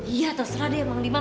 iya terserah deh mang diman